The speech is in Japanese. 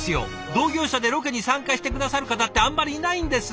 同業者でロケに参加して下さる方ってあんまりいないんです。